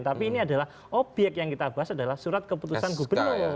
tapi ini adalah obyek yang kita bahas adalah surat keputusan gubernur